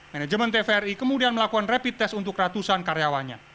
manajemen tvri kemudian melakukan rapid test untuk ratusan karyawannya